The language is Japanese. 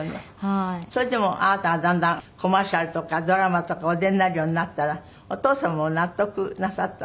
それでもあなたがだんだんコマーシャルとかドラマとかお出になるようになったらお父様も納得なさったんですって？